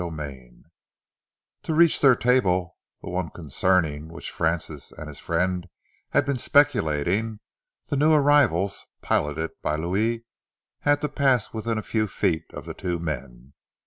CHAPTER IV To reach their table, the one concerning which Francis and his friend had been speculating, the new arrivals, piloted by Louis, had to pass within a few feet of the two men.